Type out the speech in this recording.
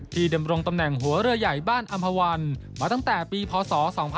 ดำรงตำแหน่งหัวเรือใหญ่บ้านอำภาวันมาตั้งแต่ปีพศ๒๕๕๘